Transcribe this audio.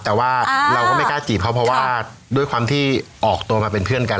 แต่ว่าเราก็ไม่กล้าจีบเขาเพราะว่าด้วยความที่ออกตัวมาเป็นเพื่อนกัน